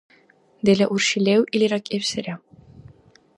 Дила урши лев или ракӀибсира.